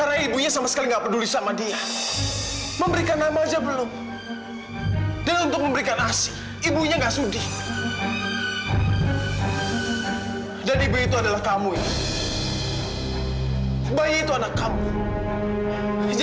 dia itu selalu berusaha mengambil simpati orang orang di sekelilingnya dia itu parasit dia itu parasit